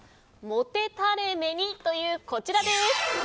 モテたれ目に！というこちらです。